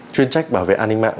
chuyên trách bảo vệ an ninh mạng